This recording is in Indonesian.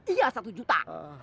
iya satu juta